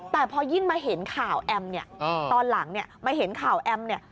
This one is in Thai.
แต่พอยิ่งมาเห็นข่าวแอมป์นี่ตอนหลังมาเห็นข่าวแอมป์นี่